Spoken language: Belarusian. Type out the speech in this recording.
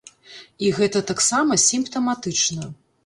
І гэта таксама сімптаматычна.